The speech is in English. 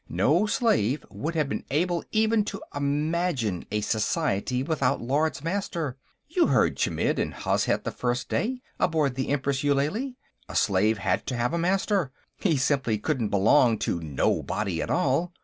No slave would have been able even to imagine a society without Lords Master; you heard Chmidd and Hozhet, the first day, aboard the Empress Eulalie. A slave had to have a Master; he simply couldn't belong to nobody at all.